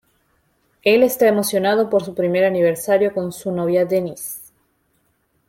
Él está emocionado por su primer aniversario con su novia Denise.